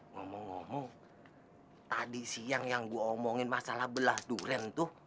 ngomong ngomong tadi siang yang gue omongin masalah belah durian tuh